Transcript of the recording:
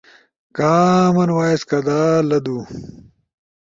کامن وائس کدا لدو؟